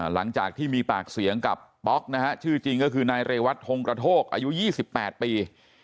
หลังจากที่มีปากเสียงกับป๊อกนะฮะชื่อจริงก็คือนายเรวัตทงกระโทกอายุ๒๘ปี